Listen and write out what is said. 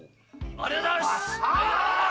ありがとうございます！